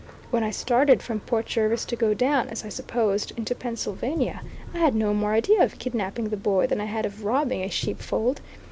When I started from Port Jervis to go down, as I supposed, into Pennsylvania, I had no more idea of kidnapping the boy than I had of robbing a sheep fold.